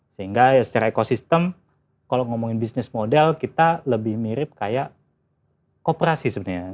sehingga ya secara ekosistem kalau ngomongin bisnis model kita lebih mirip kayak kooperasi sebenarnya